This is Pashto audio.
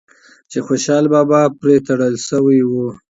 چې خوشحال بابا پرې تړل شوی و